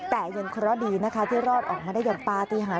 แต่ยังเคราะห์ดีนะคะที่รอดออกมาได้อย่างปาติหาร